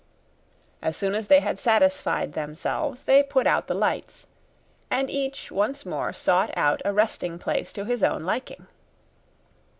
As soon as they had satisfied themselves, they put out the lights, and each once more sought out a resting place to his own liking.